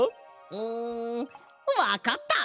うんわかった！